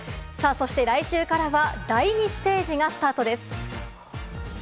そして来週からは第２ステージがスタートです。